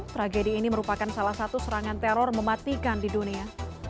tragedi ini merupakan salah satu serangan teror mematikan di dunia